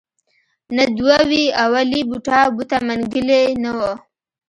نه دوه وې اولې بوډا بوته منګلی نه و.